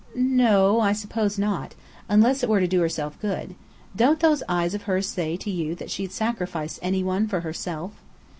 "No o, I suppose not. Unless it were to do herself good. Don't those eyes of hers say to you that she'd sacrifice any one for herself?"